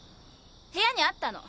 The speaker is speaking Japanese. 部屋にあったの。